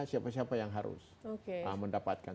siapa siapa yang harus mendapatkan